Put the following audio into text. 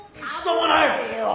危ないよ。